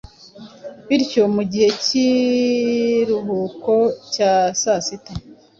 bityo mu gihe cy'ikiruhuko cya sasita,